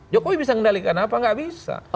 jokowi bisa mengendalikan apa nggak bisa